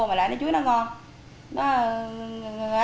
mà lại miếng chuối nó ngon